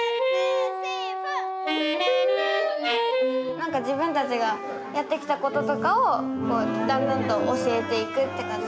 なんか自分たちがやってきたこととかをだんだんと教えていくって感じ。